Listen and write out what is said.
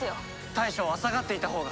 大将は下がっていたほうが。